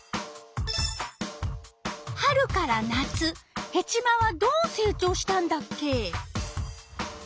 春から夏ヘチマはどう成長したんだっけ？